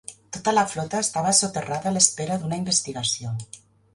Tota la flota estava soterrada a l'espera d'una investigació.